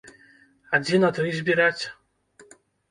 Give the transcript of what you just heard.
А дзе на тры збіраць?